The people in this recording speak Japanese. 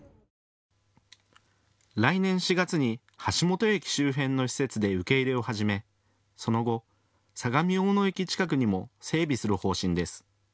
来年４月に橋本駅周辺の施設で受け入れを始めその後、相模大野駅近くにも整備する方針です。